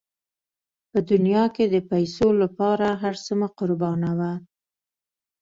په دنیا کې د پیسو لپاره هر څه مه قربانوه.